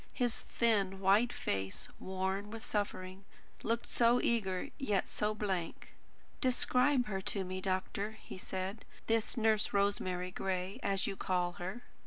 His thin white face, worn with suffering, looked so eager and yet so blank. "Describe her to me, doctor," he said; "this Nurse Rosemary Gray, as you call her."